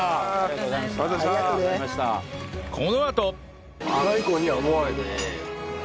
このあと